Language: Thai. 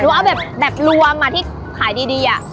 หนูเอาแบบรวมมาที่ขายดีอ่ะ